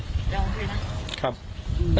ยังโอเคนะ